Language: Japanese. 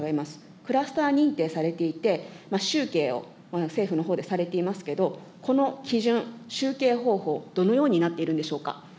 クラスター認定されていて、集計を政府のほうでされていますけれども、この基準、集計方法、どのようになっているんでしょうか。